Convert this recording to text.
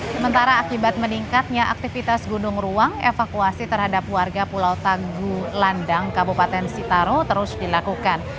sementara akibat meningkatnya aktivitas gunung ruang evakuasi terhadap warga pulau tanggulandang kabupaten sitaro terus dilakukan